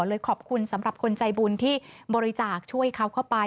เลยขอบคุณสำหรับคนใจบุญที่บริจาคช่วยเขาเข้าไป